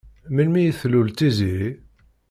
Melmi i tlul Tiziri?